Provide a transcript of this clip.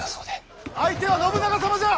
相手は信長様じゃ！